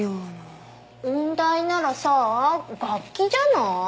音大ならさ楽器じゃない？